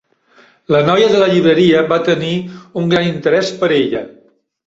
La noia de la llibreria va tenir un gran interès per ella.